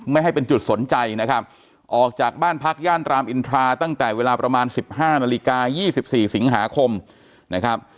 ไม่ให้เป็นจุดสนใจนะครับออกจากบ้านพักย่านรามอินทราตั้งแต่เวลาประมาณ๑๕นาฬิกา๒๔สิงหาคมนะครับ